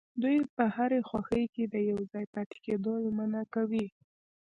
دوی په هرې خوښۍ کې د يوځای پاتې کيدو ژمنه کوي.